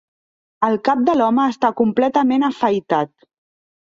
El cap de l'home està completament afaitat.